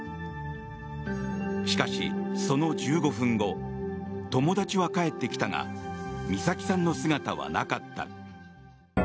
しかし、その１５分後友達は帰ってきたが美咲さんの姿はなかった。